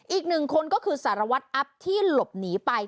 อีกหนึ่งคนก็คือสารวัตรอัพที่หลบหนีไป